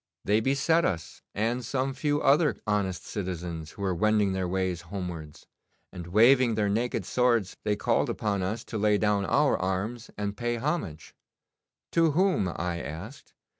'They beset us, and some few other honest citizens who were wending their ways homewards, and waving their naked swords they called upon us to lay down our arms and pay homage. "To whom?" I asked.